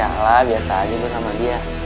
yalah biasa aja gue sama dia